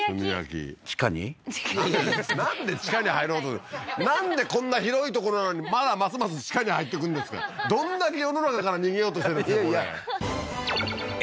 なんで地下に入ろうとなんでこんな広い所なのにまだますます地下に入ってくんですかどんだけ世の中から逃げようとしてるんですか